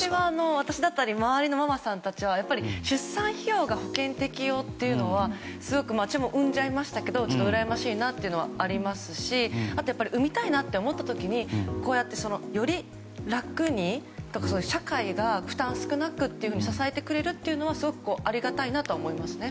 私だったり周りのママさんたちは出産費用が保険適用というのはすごく、うらやましいなっていうのはありますしあとは産みたいなと思った時により楽に社会が負担を少なくというふうに支えてくれるというのはすごくありがたいなと思います。